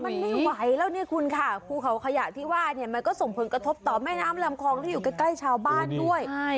มันไม่ไหวแล้วเนี่ยคุณค่ะภูเขาขยะที่ว่าเนี่ยมันก็ส่งผลกระทบต่อแม่น้ำลำคลองที่อยู่ใกล้ชาวบ้านด้วย